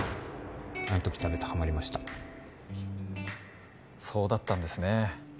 あの時食べてハマりましたそうだったんですね